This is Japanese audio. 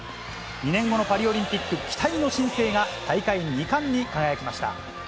２年後のパリオリンピック期待の新星が、大会２冠に輝きました。